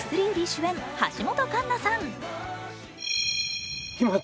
主演、橋本環奈さん。